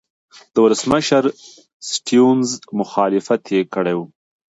د ولسمشر سټیونز مخالفت یې کړی و.